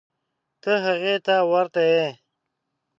ته هغې ته ورته یې.